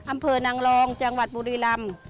อำเภอนางรองจังหวัดบุรีรำ